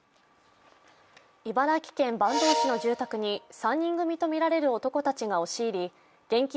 茨城県坂東市の住宅に３人組とみられる男たちが押し入り現金